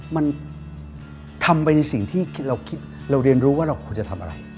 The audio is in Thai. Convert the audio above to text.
มันทำไปในสิ่งที่เราคิดเราเรียนรู้ว่าเราควรจะทำอะไร